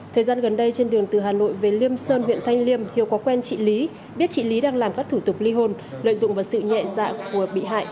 thời gian gần đây trên đường từ hà nội về liêm sơn huyện thanh liêm hiếu có quen chị lý biết chị lý đang làm các thủ tục ly hôn lợi dụng vào sự nhẹ dạ của bị hại